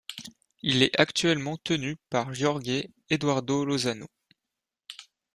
Il est actuellement tenu par Jorge Eduardo Lozano.